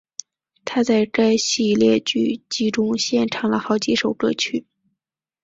她在该系列剧集中献唱了好几首歌曲。